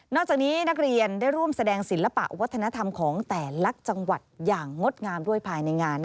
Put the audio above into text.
จากนี้นักเรียนได้ร่วมแสดงศิลปะวัฒนธรรมของแต่ละจังหวัดอย่างงดงามด้วยภายในงาน